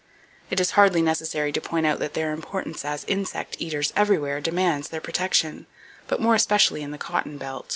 It is hardly necessary to point out that their importance as insect eaters everywhere demands their protection, but more especially in the cotton belt.